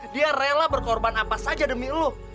dia rela berkorban apa saja demi lu